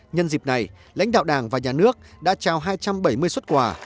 nhân dịp này lãnh đạo đảng và nhà nước đã trao hai trăm bảy mươi xuất quà